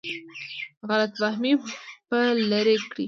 غلط فهمۍ به لرې کړي.